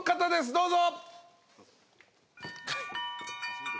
どうぞ。